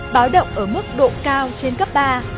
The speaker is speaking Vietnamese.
báo động ở mức độ cao trên cấp ba